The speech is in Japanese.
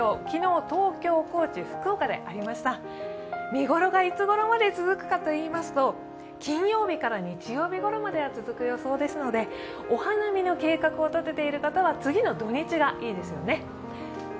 昨日、東京、高知、福岡でありました見頃がいつ頃まで続くかといいますと金曜日から日曜日ごろまでは続く予想ですので、お花見の計画を立てている方は次の土日がいいですよね。